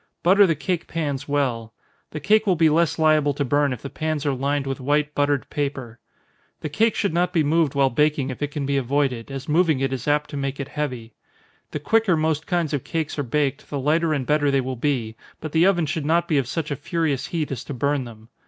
Butter the cake pans well. The cake will be less liable to burn if the pans are lined with white buttered paper. The cake should not be moved while baking if it can be avoided, as moving it is apt to make it heavy. The quicker most kinds of cake are baked, the lighter and better they will be; but the oven should not be of such a furious heat as to burn them.